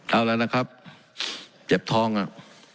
เอาแล้วนะครับเจ็บทองอ่ะ